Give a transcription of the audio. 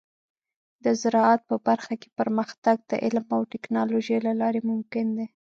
د زراعت په برخه کې پرمختګ د علم او ټیکنالوجۍ له لارې ممکن دی.